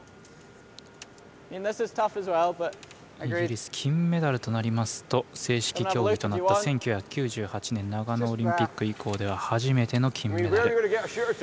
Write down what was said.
イギリス金メダルとなりますと正式競技となった１９９８年長野オリンピック以降では初めての金メダル。